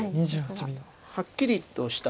はっきりとした。